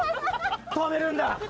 とめるんだ。